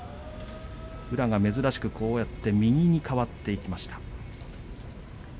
宇良が珍しく右に変わっていきました。